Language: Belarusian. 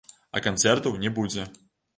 А канцэртаў не будзе.